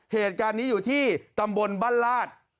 เหตุการณ์นี้อยู่ที่ตำบลบ้านลาด